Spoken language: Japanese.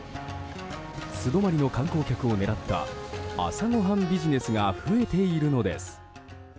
素泊まりの観光客を狙った朝ごはんビジネスが増えているのです。